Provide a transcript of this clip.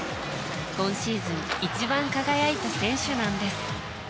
今シーズン一番輝いた選手なんです。